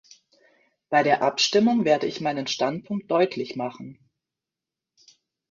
Bei der Abstimmung werde ich meinen Standpunkt deutlich machen.